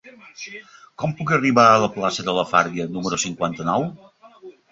Com puc arribar a la plaça de la Farga número cinquanta-nou?